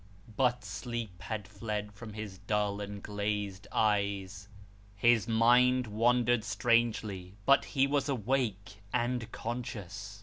But sleep had fled from his dull and glazed eyes. His mind wandered strangely, but he was awake, and conscious.